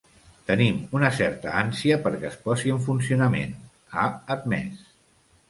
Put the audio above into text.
Tenim una certa ànsia perquè es posi en funcionament, ha admès.